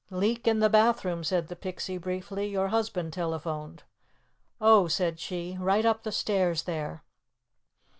"Leak in the bathroom," said the Pixie briefly. "Your husband telephoned." "Oh," said she. "Right up the stairs there."